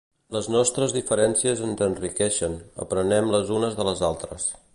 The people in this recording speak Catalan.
Les nostres diferències ens enriqueixen, aprenem les unes de les altres.